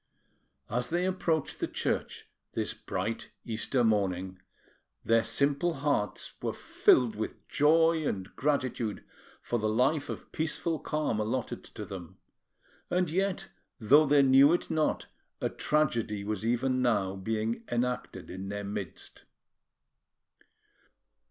As they approached the church this bright Easter morning, their simple hearts were filled with joy and gratitude for the life of peaceful calm allotted to them; and yet, though they knew it not, a tragedy was even now being enacted in their midst.